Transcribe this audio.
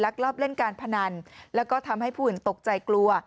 ลอบเล่นการพนันแล้วก็ทำให้ผู้อื่นตกใจกลัว